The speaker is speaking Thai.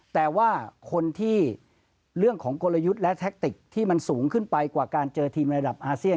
แต่ว่าคนที่เรื่องของกลยุทธ์และแท็กติกที่มันสูงขึ้นไปกว่าการเจอทีมระดับอาเซียน